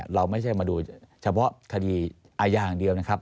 เราไม่ใช่มาดูเฉพาะคดีอาญาอย่างเดียวนะครับ